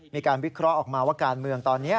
มีการวิเคราะห์ออกมาว่าการเมืองตอนนี้